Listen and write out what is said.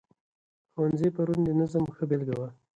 ښوونځي پرون د نظم ښه بېلګه وه.